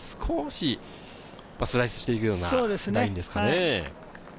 ご覧のように少しスライスしてるようなラインですかね。